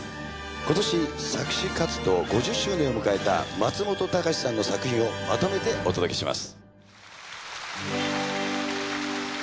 今年作詞活動５０周年を迎えた松本隆さんの作品をまとめてお届けします